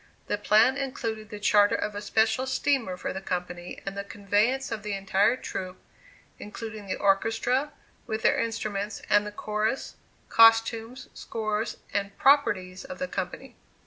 The plan included the charter of a special steamer for the company and the conveyance of the entire troup, including the orchestra, with their instruments, and the chorus, costumes, scores, and properties of the company.